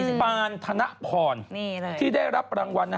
ปานธนพรที่ได้รับรางวัล